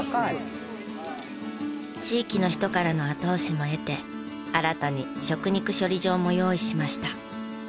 地域の人からの後押しも得て新たに食肉処理場も用意しました。